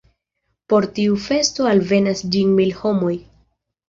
Por tiu festo alvenas ĝis mil homoj.